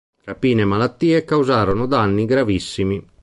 Rapine e malattie causarono danni gravissimi.